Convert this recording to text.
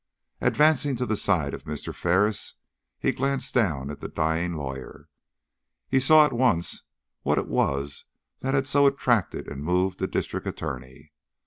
Advancing to the side of Mr. Ferris, he glanced down at the dying lawyer. He at once saw what it was that had so attracted and moved the District Attorney.